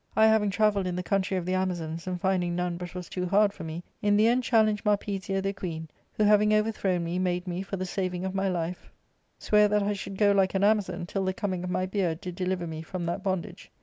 I having travelled in the coun try of the Amazons, and finding none but was too hard for me, in the end challenged Marpesia their queen, who having overthrown me, made me, for the saving of my life, swear ARCADIA:— Book IH, 403 that I should go like an Amazon, till the coming of my beard did deliver me from that bondage."